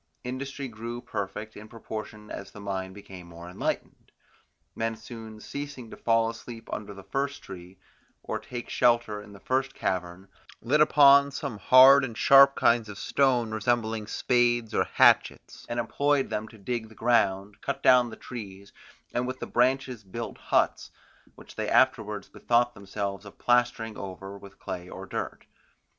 Industry grew perfect in proportion as the mind became more enlightened. Men soon ceasing to fall asleep under the first tree, or take shelter in the first cavern, lit upon some hard and sharp kinds of stone resembling spades or hatchets, and employed them to dig the ground, cut down trees, and with the branches build huts, which they afterwards bethought themselves of plastering over with clay or dirt.